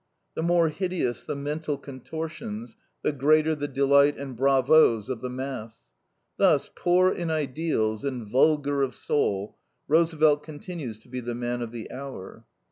The more hideous the mental contortions, the greater the delight and bravos of the mass. Thus, poor in ideals and vulgar of soul, Roosevelt continues to be the man of the hour.